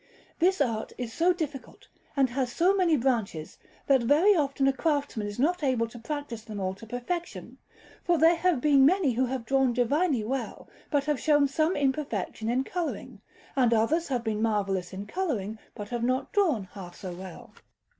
This art is so difficult, and has so many branches, that very often a craftsman is not able to practise them all to perfection; for there have been many who have drawn divinely well, but have shown some imperfection in colouring, and others have been marvellous in colouring, but have not drawn half so well.